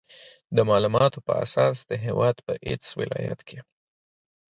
د مالوماتو په اساس د هېواد په هېڅ ولایت کې